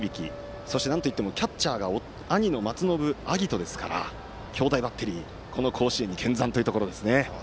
そしてなんといってもキャッチャーが兄の松延晶音ですから兄弟バッテリーがこの甲子園に見参というところですね。